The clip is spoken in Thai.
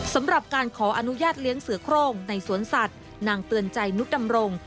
สำหรับการขออนุญาตเลี้ยงเสือโครงในสวนสัตว์นางเตือนใจนุดำรง